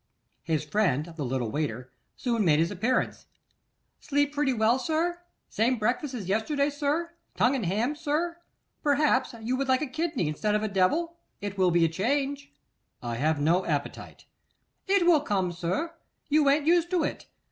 His friend, the little waiter, soon made his appearance. 'Slept pretty well, sir? Same breakfast as yesterday, sir? Tongue and ham, sir? Perhaps you would like a kidney instead of a devil? It will be a change.' 'I have no appetite.' 'It will come, sir. You an't used to it.